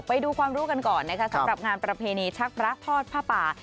ไปดูความรู้กันก่อนนะคะสำหรับงานประเพณีชักพระทอดผ้าป่า